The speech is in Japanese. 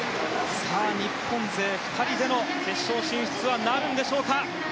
さあ、日本勢２人での決勝進出はなるんでしょうか？